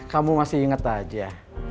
kamu masih inget aja